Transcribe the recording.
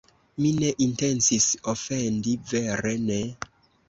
“Mi ne intencis ofendi, vere ne!”